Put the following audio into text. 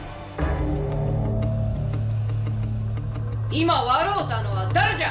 今笑うたのは誰じゃ。